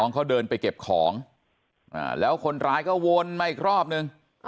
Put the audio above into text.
น้องเขาเดินไปเก็บของอ่าแล้วคนร้ายก็วนมาอีกรอบหนึ่งอ๋อ